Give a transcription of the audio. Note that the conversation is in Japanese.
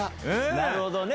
なるほどね。